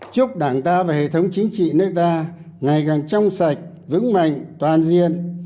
chúc đảng ta và hệ thống chính trị nước ta ngày càng trong sạch vững mạnh toàn diện